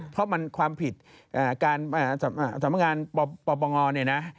เพราะมันความผิดสำนางารปรปมงรเนี่ยนะ